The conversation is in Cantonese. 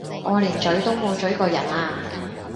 我連咀都冇咀過人啊！